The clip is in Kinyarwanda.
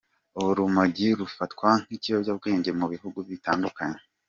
Urumogi rufatwa nk’ikiyobyabwenge mu bihugu bitandukanye.